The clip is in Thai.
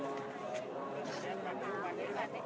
เมื่อเวลาอันดับสุดท้ายเมื่อเวลาอันดับสุดท้าย